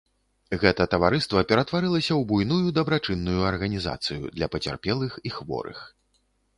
Гэта таварыства ператварылася ў буйную дабрачынную арганізацыю для пацярпелых і хворых.